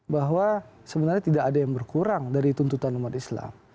bahwa sebenarnya tidak ada yang berkurang dari tuntutan umat islam